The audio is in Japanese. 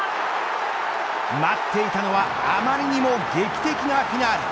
待っていたのはあまりにも劇的なフィナーレ。